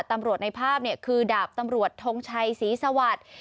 ตำรวจในภาพเนี่ยคือดาบตำรวจทรงชัยศรีสวัสดิ์